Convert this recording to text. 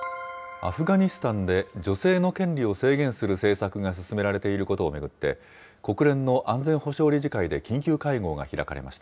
アフガニスタンで女性の権利を制限する政策が進められていることを巡って、国連の安全保障理事会で緊急会合が開かれました。